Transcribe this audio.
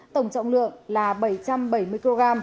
tổng trọng lượng là bảy trăm bảy mươi kg